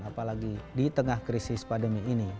apalagi di tengah krisis pandemi ini